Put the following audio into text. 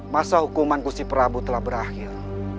masa hukuman kursi prabu telah berakhir